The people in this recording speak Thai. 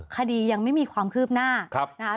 คดียังไม่มีความคืบหน้านะคะ